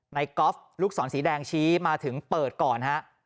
ในกอล์ฟลูกสอนสีแดงชี้มาถึงเปิดก่อน